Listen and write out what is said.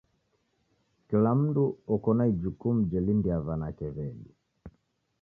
Kila mndu oko na ijukumu jelindia w'anake w'edu.